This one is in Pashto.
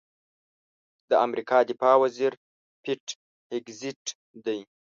د امریکا دفاع وزیر پیټ هېګسیت دی.